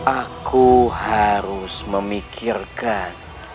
aku harus memikirkan